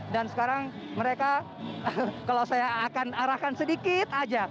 dan sekarang mereka kalau saya akan arahkan sedikit aja